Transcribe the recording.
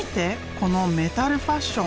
このメタルファッション！